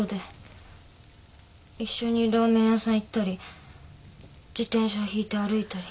一緒にラーメン屋さん行ったり自転車ひいて歩いたり。